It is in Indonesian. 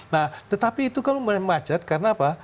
nah tetapi itu kalau macet karena apa